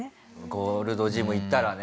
ゴールドジム行ったらね。